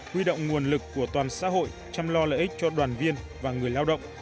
huy động nguồn lực của toàn xã hội chăm lo lợi ích cho đoàn viên và người lao động